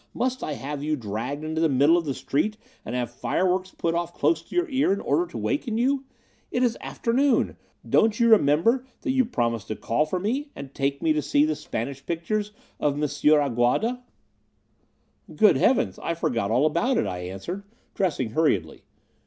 Must I have you dragged into the middle of the street, and have fireworks put off close to your ear, in order to waken you? It is afternoon. Don't you remember that you promised to call for me and take me to see the Spanish pictures of M. Aguada?" "Good heavens! I forgot all about it," I answered, dressing hurriedly.